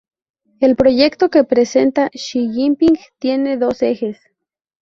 El proyecto que presenta Xi Jinping tiene dos ejes.